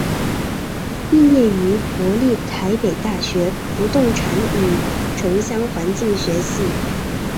毕业于国立台北大学不动产与城乡环境学系。